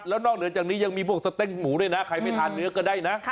แล้วนอกเหนือจากนี้ยังมีพวกสเต้งหมูด้วยนะใครไม่ทานเนื้อก็ได้นะ